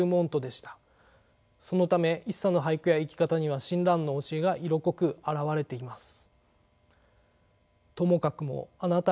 そのため一茶の俳句や生き方には親鸞の教えが色濃く表れています。